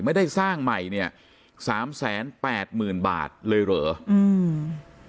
ไม่ได้สร้างใหม่๓๘๐๐๐๐บาทเลยเหลือ